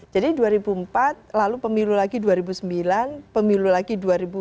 jadi dua ribu empat lalu pemilu lagi dua ribu sembilan pemilu lagi dua ribu empat belas